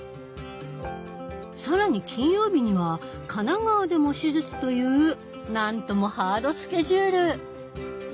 更に金曜日には神奈川でも手術というなんともハードスケジュール！